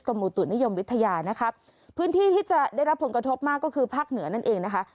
มูตุนิยมวิทยานะคะพื้นที่ที่จะได้รับผลกระทบมากก็คือภาคเหนือนั่นเองนะคะ